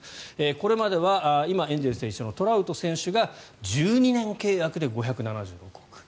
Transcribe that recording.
これまでは今エンゼルスで一緒のトラウト選手が１２年契約で５７６億円。